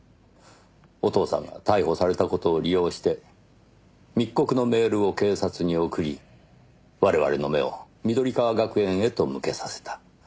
お父さんが逮捕された事を利用して密告のメールを警察に送り我々の目を緑川学園へと向けさせた。